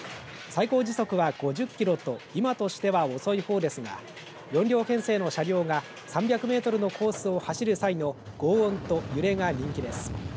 最高時速は５０キロと今としては遅い方ですが４両編成の車両が３００メートルのコースを走る際のごう音と揺れが人気です。